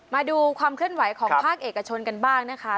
มาดูความเคลื่อนไหวของภาคเอกชนกันบ้างนะคะ